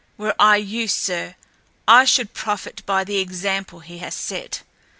Were I you, sir, I should profit by the example he has set.